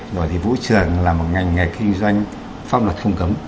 rồi thì vũ trường là một ngành nghề kinh doanh pháp luật không cấm